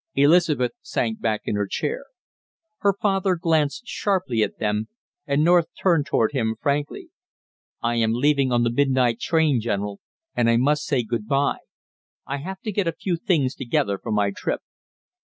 Elizabeth sank back in her chair. Her father glanced sharply at them, and North turned toward him frankly. "I am leaving on the midnight train, General, and I must say good by; I have to get a few things together for my trip!"